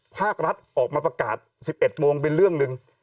ภาครัฐออกมาประกาศ๑๑โมงเป็นเรื่องหนึ่ง